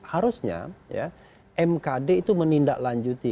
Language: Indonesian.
harusnya mkd itu menindaklanjuti